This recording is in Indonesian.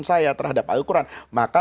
saya terhadap al quran maka